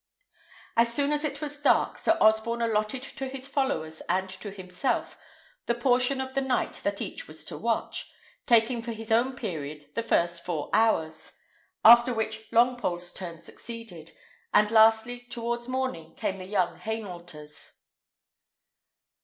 As soon as it was dark, Sir Osborne allotted to his followers and to himself the portion of the night that each was to watch, taking for his own period the first four hours; after which Longpole's turn succeeded; and lastly, towards morning, came the young Hainaulter's.